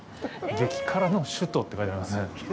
「激辛の首都」って書いてありますね。